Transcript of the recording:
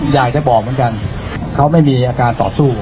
อยากจะบอกเหมือนกันเขาไม่มีอาการต่อสู้